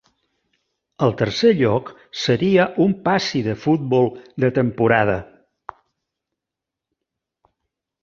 El tercer lloc seria un passi de futbol de temporada.